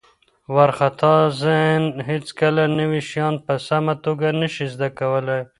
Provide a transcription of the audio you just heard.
وارخطا ذهن هیڅکله نوي شیان په سمه توګه نه شي زده کولی.